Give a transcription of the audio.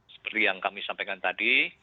seperti yang kami sampaikan tadi